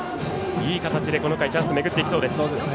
いい形でこの回チャンスが巡っていきそうです。